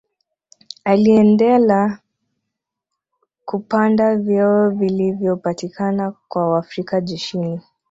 Aliendela kupanda vyeo vilivyopatikana kwa Waafrika jeshini